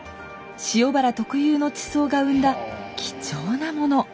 塩原特有の地層が生んだ貴重なもの。